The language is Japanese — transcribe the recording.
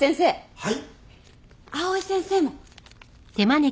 はい。